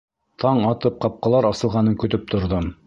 Таң атып ҡапҡалар асылғанын көтөп торҙом.